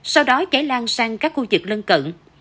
sau đó cháy lan sang các khu vực lân cận